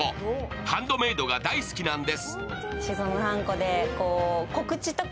ハンドメードが大好きなんです。